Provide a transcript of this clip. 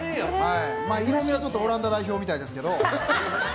色味はオランダ代表みたいですけど。